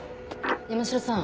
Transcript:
山城さん